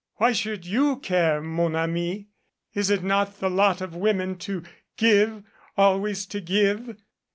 Why should you care, mon ami? Is it not the lot of women to give always to give?"